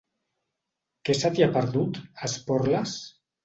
Què se t'hi ha perdut, a Esporles?